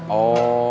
tidak ada apa